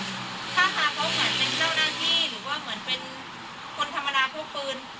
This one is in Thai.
ท่าทางเขาเหมือนเป็นเจ้าหน้าที่หรือว่าเหมือนเป็นคนธรรมดาพกปืน